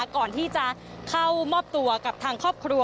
ก่อนที่จะเข้ามอบตัวกับทางครอบครัว